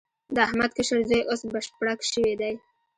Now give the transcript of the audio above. د احمد کشر زوی اوس بشپړک شوی دی.